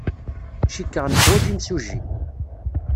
Cikkeɣ neḥwaj imsujji.